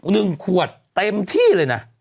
หนึ่งขวดเต็มที่เลยนะ